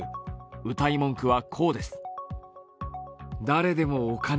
うたい文句は、こうです。